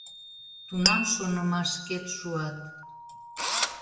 Тунам шонымашкет шуат